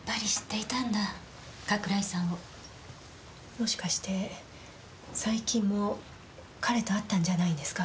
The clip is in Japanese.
もしかして最近も彼と会ったんじゃないんですか？